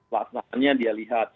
pasangannya dia lihat